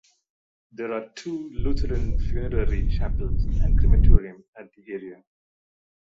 There are two Lutheran funerary chapels and crematorium at the area.